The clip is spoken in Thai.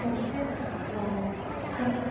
พี่แม่ที่เว้นได้รับความรู้สึกมากกว่า